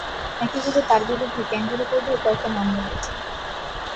একইভাবে তার বিরুদ্ধে ক্যাঙ্গারু কোর্টেও কয়েকটা মামলা রয়েছে।